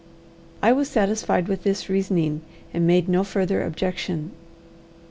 I was satisfied with this reasoning, and made no further objection.